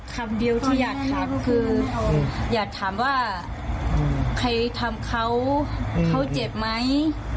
คำเดียวที่อยากถามคืออยากถามว่าใครทำเขาเขาเจ็บไหม